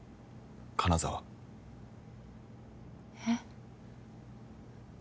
金沢えっ？